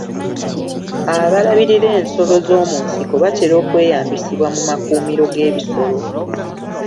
Abalabirira ensolo z'omu nsiko batera okweyambisibwa mu makuumiro g'ebisolo.